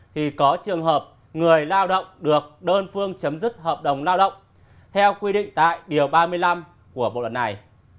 thì có trường hợp người lao động được đơn phương chấm dứt hợp đồng lao động theo quy định tại điều ba mươi năm của bộ luật này